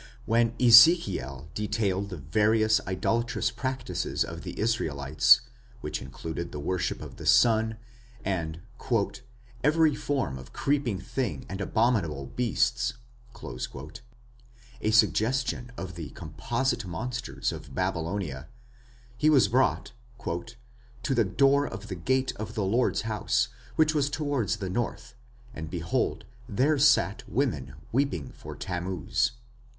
When Ezekiel detailed the various idolatrous practices of the Israelites, which included the worship of the sun and "every form of creeping things and abominable beasts" a suggestion of the composite monsters of Babylonia he was brought "to the door of the gate of the Lord's house, which was towards the north; and, behold, there sat women weeping for Tammuz".